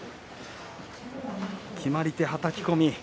決まり手、はたき込み。